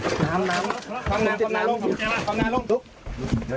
สวัสดีครับคุณผู้ชาย